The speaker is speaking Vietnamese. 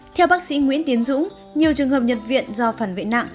theo bác sĩ nguyễn tiến dũng nhiều trường hợp nhập viện do phản vệ nặng